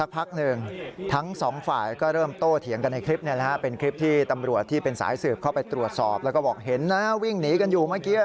ไปตรวจสอบแล้วก็บอกเห็นนะวิ่งหนีกันอยู่เมื่อกี้